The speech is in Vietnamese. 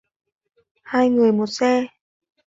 Hai người một xe